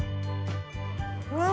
うわ！